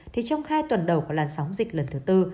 thì trong hai tuần đầu của làn sóng dịch lần thứ tư